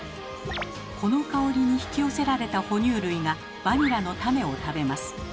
この香りに引き寄せられた哺乳類がバニラの種を食べます。